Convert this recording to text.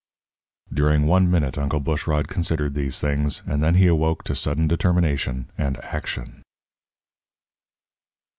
During one minute Uncle Bushrod considered these things, and then he awoke to sudden determination and action.